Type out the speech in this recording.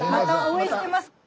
応援してます。